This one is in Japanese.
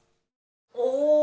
お！